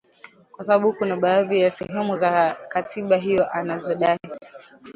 kwa sababu kuna baadhi ya sehemu za katiba hiyo anazodai